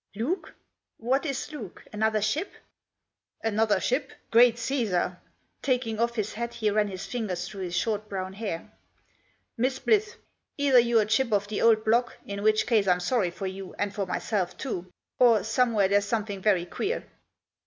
" Luke ? What is Luke ?— another ship ?" "Another ship? Great Caesar!' 1 Taking off his hat, he ran his fingers through his short brown hair. " Miss Blyth, either you're a chip of the old block, in which case I'm sorry for you, and for myself too, or, somewhere, there's something very queer.